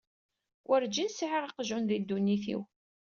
Werǧin sɛiɣ aqjun di ddunit-iw.